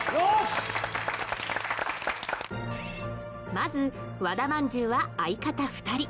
まず和田まんじゅうは相方２人